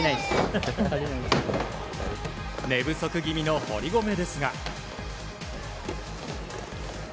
寝不足気味の堀米ですが。